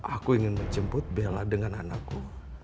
aku ingin menjemput bella dengan anakku